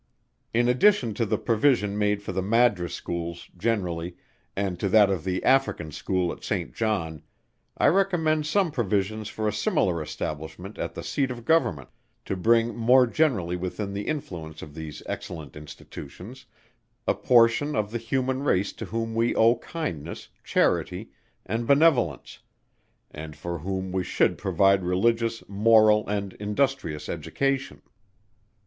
In addition to the provision made for the Madras Schools, generally, and to that of the African School at St. John, I recommend some provision for a similar establishment at the Seat of Government, to bring more generally within the influence of these excellent Institutions, a portion of the human race to whom we owe kindness, charity, and benevolence, and for whom we should provide religious, moral and industrious education.